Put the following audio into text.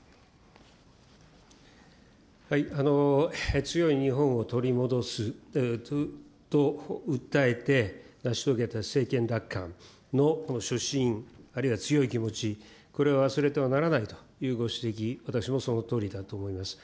強い日本を取り戻すと訴えて成し遂げた政権奪還の初診、これは忘れてはならないというご指摘、私もそのとおりだと思います。